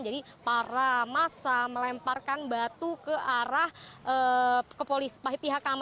jadi para massa melemparkan batu ke arah pendemo